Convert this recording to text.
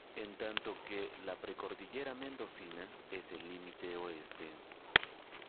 En tanto que la precordillera mendocina es el límite Oeste.